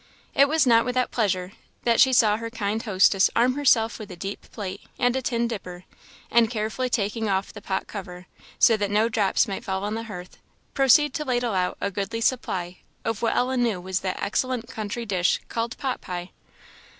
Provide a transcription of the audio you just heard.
It was not without pleasure that she saw her kind hostess arm herself with a deep plate and a tin dipper, and carefully taking off the pot cover, so that no drops might fall on the hearth, proceed to ladle out a goodly supply of what Ellen knew was that excellent country dish called pot pie.